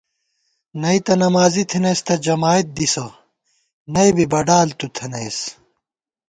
نئ تہ نمازی تھنَئیس تہ جمائید دِسہ نئ بی بڈال تُو تھنَئیس